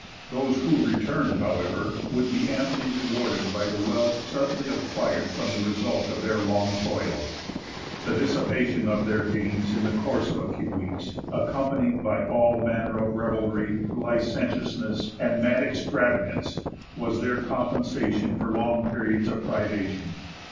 Those who returned, however, would be amply rewarded by the wealth suddenly acquired from the result of their long toil. The dissipation of their gains in the course of a few weeks, accompanied by all manner of revelry, licentiousness, and mad extravagance, was their compensation for long periods of privation.